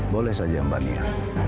boleh saja mbak nia